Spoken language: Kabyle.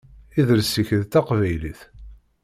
Idles-ik d taqbaylit.